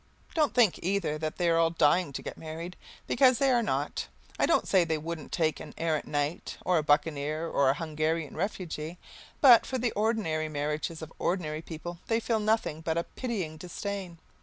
Don't think either that they are all dying to get married; because they are not. I don't say they wouldn't take an errant knight, or a buccaneer or a Hungarian refugee, but for the ordinary marriages of ordinary people they feel nothing but a pitying disdain.